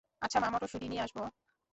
আচ্ছা মা, মটরশুঁটি নিয়ে আসবো।